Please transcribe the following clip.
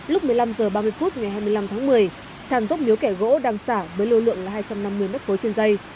lúc một mươi năm h ba mươi phút ngày hai mươi năm tháng một mươi tràn dốc miếu cải gỗ đang xả với lưu lượng là hai trăm năm mươi m ba trên dây